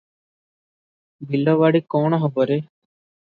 ବିଲବାଡ଼ି କ'ଣ ହବ ରେ?